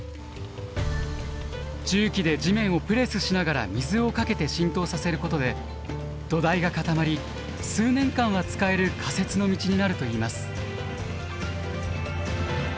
重機で地面をプレスしながら水をかけて浸透させることで土台が固まり数年間は使える仮設の道になるといいます。